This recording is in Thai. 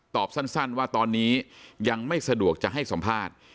สั้นว่าตอนนี้ยังไม่สะดวกจะให้สัมภาษณ์